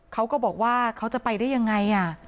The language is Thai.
เขาก็บอกว่าเขาจะไปได้ยังไง